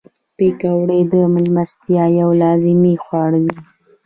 پکورې د میلمستیا یو لازمي خواړه دي